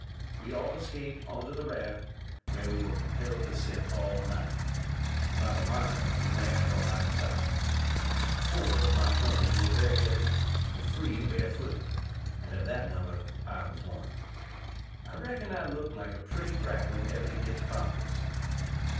We all escaped on to the raft, where we were compelled to sit all night, about a mile from land on either side. Four of my company were bareheaded, and three bare footed; and of that number I was one. I reckon I looked like a pretty cracklin ever to get to Congress!!!